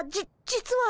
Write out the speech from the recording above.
実は。